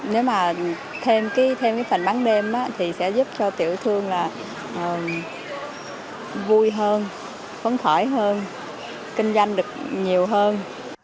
nếu mà thêm cái phần bán đêm thì sẽ giúp cho tiểu thương là vui hơn phấn khởi hơn kinh doanh được nhiều hơn